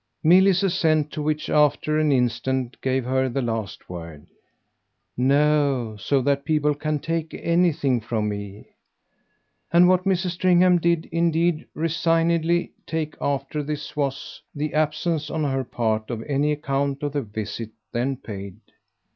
Milly's assent to which, after an instant, gave her the last word. "No, so that people can take anything from me." And what Mrs. Stringham did indeed resignedly take after this was the absence on her part of any account of the visit then paid.